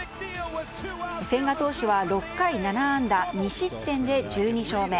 千賀投手は６回７安打２失点で１２勝目。